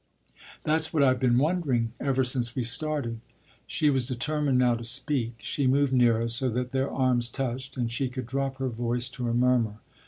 ” “That’s what I’ve been wondering ever since we started.” She was determined now to speak. She moved nearer, so that their arms touched, and she could drop her voice to a murmur.